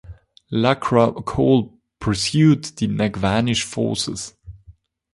Lakra Kol pursued the Nagvanshi forces.